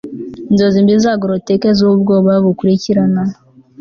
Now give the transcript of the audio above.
Inzozi mbi za groteque zubwoba bukurikirana